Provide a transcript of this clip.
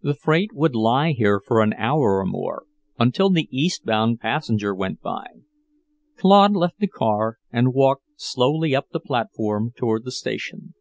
The freight would lie here for an hour or more, until the east bound passenger went by. Claude left the car and walked slowly up the platform toward the station.